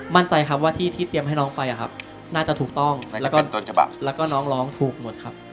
มั่นใจครับว่าที่ที่เตรียมให้น้องไปน่าจะถูกต้องแล้วก็น้องร้องถูกหมดครับ